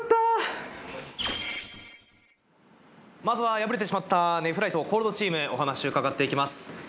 まずは敗れてしまったネフライト・Ｃｏｌｄチームお話伺って行きます。